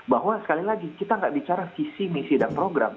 bahwa sekali lagi kita nggak bicara visi misi dan program